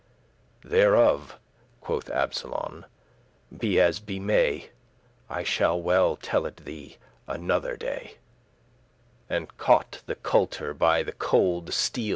"Thereof," quoth Absolon, "be as be may; I shall well tell it thee another day:" And caught the culter by the colde stele*.